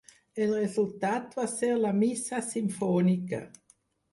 El resultat va ser la missa simfònica.